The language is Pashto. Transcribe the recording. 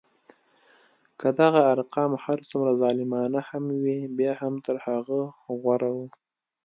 که دغه ارقام هر څومره ظالمانه هم وي بیا هم تر هغه غوره وو.